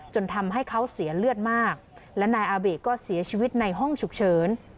จนทำให้เขาเสียเลือดมากและนายอาเบะก็เสียชีวิตในห้องฉุกเฉิน